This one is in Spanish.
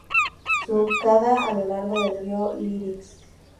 Surcada a lo largo del río Irtysh.